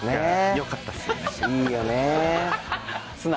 いいよね。